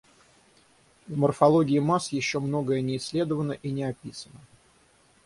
В морфологии масс еще многое не исследовано и не описано.